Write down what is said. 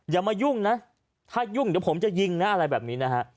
อย่ามายุ่งนะถ้ายุ่งเดี๋ยวผมจะยิงนะอะไรแบบนี้นะฮะ